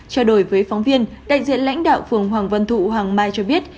trao đổi với phóng viên đại diện lãnh đạo phường hoàng văn thụ hoàng mai cho biết